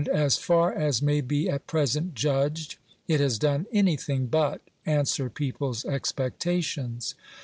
as far as may be at present judged, it has done anything bnt answer people's expectations.